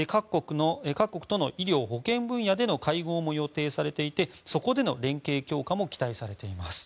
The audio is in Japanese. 各国との医療・保健分野での会合も予定されていてそこでの連携強化も期待されています。